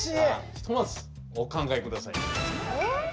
ひとまずお考え下さい。